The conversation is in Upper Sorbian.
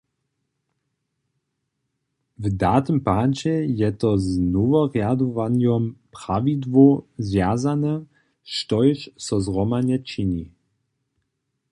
W datym padźe je to z noworjadowanjom prawidłow zwjazane, štož so zhromadnje čini.